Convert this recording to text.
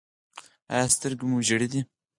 ایا سترګې مو ژیړې دي؟